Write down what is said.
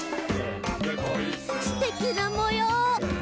「すてきなもよう！」